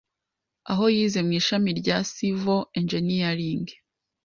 aho yize mu ishami rya sivo Enjiniyaringi